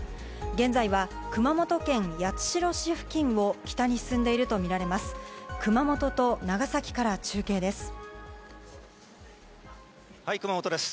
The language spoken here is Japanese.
現在は熊本県八代市付近を北に進んでいると見られます。